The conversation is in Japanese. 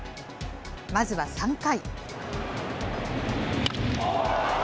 まずは３回。